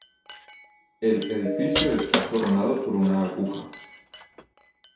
El edificio está coronado por una aguja.